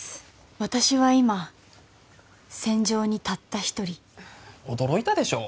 私は今戦場にたった一人驚いたでしょう